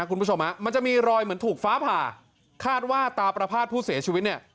คุณผู้ชมฮะมันจะมีรอยเหมือนถูกฟ้าผ่าคาดว่าตาประพาทผู้เสียชีวิตเนี่ย